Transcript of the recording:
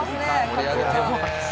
盛り上げてるね。